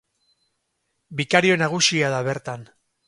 Bikario nagusia da bertan.